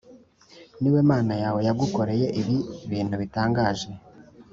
Ni we Mana yawe yagukoreye ibi bintu bitangaje